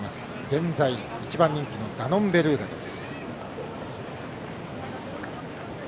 現在、１番人気のダノンベルーガです。